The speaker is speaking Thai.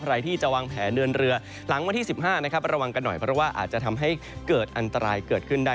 ใครที่จะวางแผนเดินเรือหลังวันที่๑๕นะครับระวังกันหน่อยเพราะว่าอาจจะทำให้เกิดอันตรายเกิดขึ้นได้